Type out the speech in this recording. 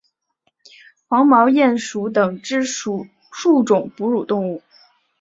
黄毛鼹属等之数种哺乳动物。